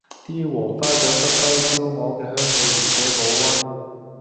啲禾花雀吸收燒鵝嘅香味，而且保溫